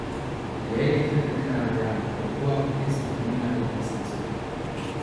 Lehen ikerketen arabera, gorpuak ez du kriminalitate zantzurik.